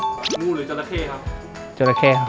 งูหรือจราเข้ครับจราเข้ครับ